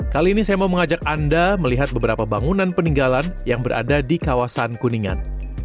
kali ini saya mau mengajak anda melihat beberapa bangunan peninggalan yang berada di kawasan kuningan